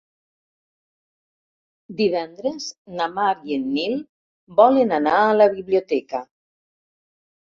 Divendres na Mar i en Nil volen anar a la biblioteca.